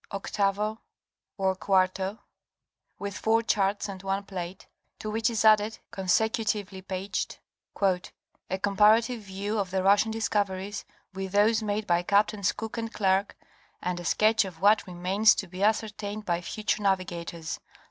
8° [or 4°] with four charts and one plate; to which is added, consecutively paged: «A comparative view of the Russian discoveries with those made by Captains Cook and Clerke, and a sketch of what remains to be ascertained by future navigators.